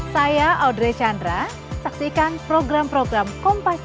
saya audrey chandra saksikan program program kompas